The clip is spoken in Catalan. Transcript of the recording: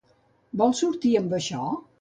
Vols sortir amb això?